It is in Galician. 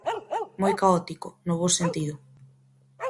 Moi caótico, no bo sentido.